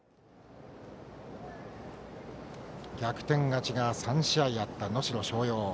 逆転勝ちが３試合あった能代松陽。